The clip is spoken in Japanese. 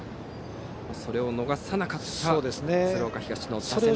それを逃さなかった鶴岡東の打線。